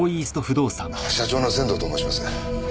社長の仙道と申します。